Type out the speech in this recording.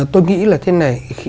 tôi nghĩ là thế này